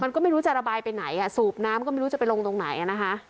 มันก็ไม่รู้จะระบายไปไหนสูบน้ำก็ไม่รู้จะไปลงตรงไหนนะคะ